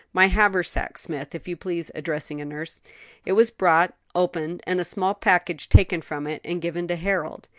My haversack, Smith, if you please," addressing a nurse. It was brought, opened, and a small package taken from it and given to Harold.